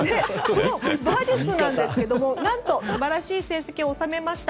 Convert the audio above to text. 馬術なんですけど何と素晴らしい成績を収めました。